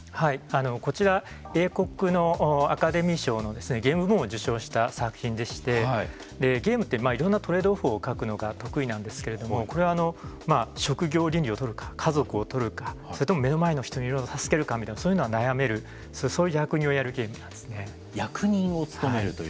こちら、英国のアカデミー賞のゲーム部門を受賞した作品でしてゲームっていろんなトレードオフを描くのが得意なんですけれどもこれは職業倫理をとるか家族をとるかそれとも目の前の人を助けるのかというのがそういうのが悩めるそういう役人をというゲーム役人を務めるという。